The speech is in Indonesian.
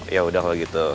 ya udah kalau gitu